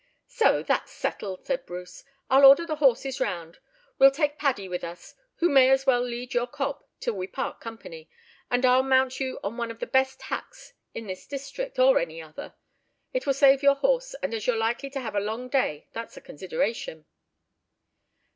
"So that's settled," said Bruce. "I'll order the horses round; we'll take Paddy with us, who may as well lead your cob till we part company, and I'll mount you on one of the best hacks in this district, or any other. It will save your horse, and as you're likely to have a long day that's a consideration."